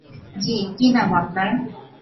জ্বি, কী নাম আপনার?